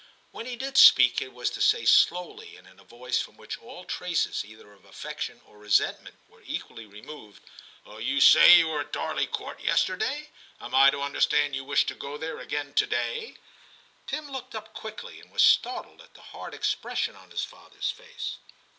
When he did speak it was to say slowly, and in a voice from which all traces either of affec tion or resentment were equally removed —* You say you were at Darley Court yester day ; am I to understand that you wish to go there again to day ?' Tim looked up quickly, and was startled at the hard expression on his father's face.